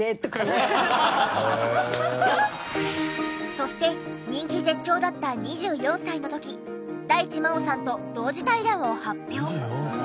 そして人気絶頂だった２４歳の時大地真央さんと同時退団を発表。